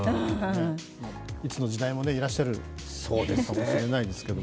いつの時代もいらっしゃるかもしれないですけど。